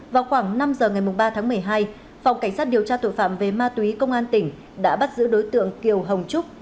vào khoảng năm giờ ngày ba tháng một mươi hai phòng cảnh sát điều tra tội phạm về ma túy công an tỉnh đã bắt giữ đối tượng kiều hồng trúc